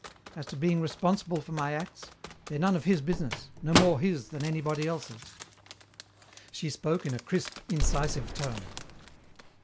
As to being responsible for my acts, they're none of his business, no more his than anybody else's." She spoke in a crisp, incisive tone.